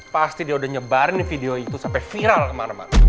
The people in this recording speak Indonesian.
pasti dia udah nyebarin video itu sampai viral kemana mana